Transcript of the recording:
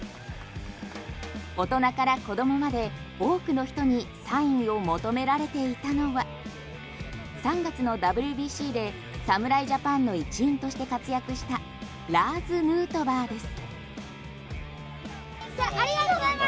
大人から子供まで多くの人にサインを求められていたのは３月のＷＢＣで侍ジャパンの一員として活躍したラーズ・ヌートバーです。